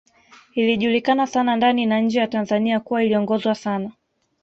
Ilijulikana sana ndani na nje ya Tanzania kuwa iliongozwa sana